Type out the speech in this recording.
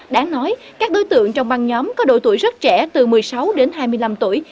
đáng nói các đối tượng trong băng nhóm có độ tuổi rất trẻ từ một mươi sáu đến hai mươi năm tuổi